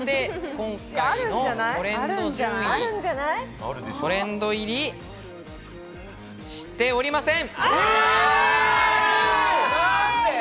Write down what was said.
今回のトレンド順位はトレンド入りしておりません。